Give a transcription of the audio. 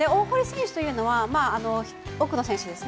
大堀選手というのは奥の選手です。